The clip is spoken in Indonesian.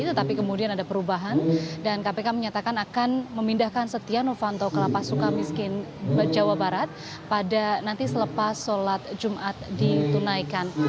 tetapi kemudian ada perubahan dan kpk menyatakan akan memindahkan setia novanto ke lapas suka miskin jawa barat pada nanti selepas sholat jumat ditunaikan